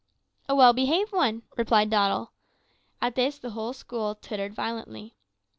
"`A well behaved one,' replied Doddle. "At this the whole school tittered violently.